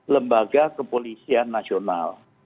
lembaga kepolisian nasional